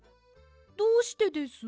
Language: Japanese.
どうしてです？